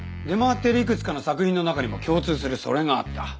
出回っているいくつかの作品の中にも共通するそれがあった。